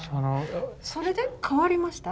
それで変わりました？